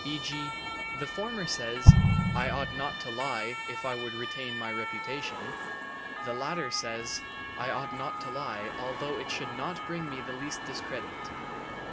E.g., the former says: "I ought not to lie, if I would retain my reputation"; the latter says: "I ought not to lie, although it should not bring me the least discredit."